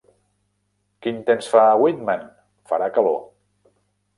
Quin temps fa a Weidman, farà calor